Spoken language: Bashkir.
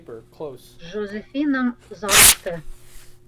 Жозефинаң зарыҡты.